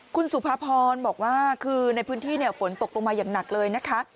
คุณสุภาพรบอกว่าคือในพื้นที่ฝนตกลงมาอย่างหนักเลยนะคะ